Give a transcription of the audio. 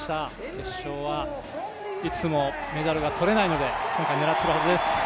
決勝はいつもメダルがとれないので、今回、狙っているはずです。